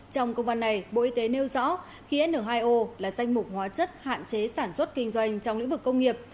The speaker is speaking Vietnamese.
trong công văn này bộ y tế nêu rõ khí n hai o là danh mục hóa chất hạn chế sản xuất kinh doanh trong lĩnh vực công nghiệp